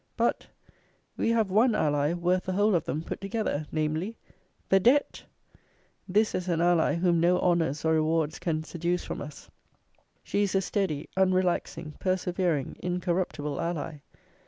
But, we have one ally worth the whole of them put together, namely, the DEBT! This is an ally, whom no honours or rewards can seduce from us. She is a steady, unrelaxing, persevering, incorruptible ally.